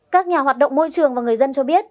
các nhà hoạt động môi trường và người dân cho biết